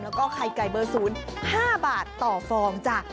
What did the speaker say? แล้วก็ไข่ไก่เบอร์๐๕บาทต่อฟองจ้ะ